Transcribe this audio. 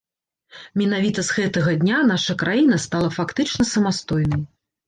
Менавіта з гэтага дня наша краіна стала фактычна самастойнай.